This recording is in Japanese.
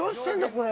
これ。